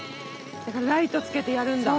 ライトつけてやるんだ。